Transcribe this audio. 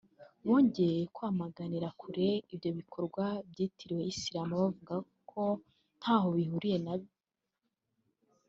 bongeye kwamaganira kure ibyo bikorwa byitirirwa Islam bavuga ko ntaho bihuriye nayo